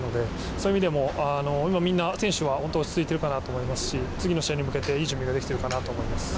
そういう意味でも今、みんな選手は落ち着いてると思いますし次の試合に向けていい準備ができているかなと思います。